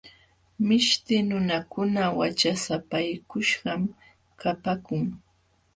Mishti nunakuna wachasapaykuśhqam kapaakun.